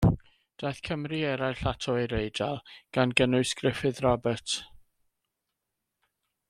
Daeth Cymry eraill ato i'r Eidal, gan gynnwys Gruffydd Robert.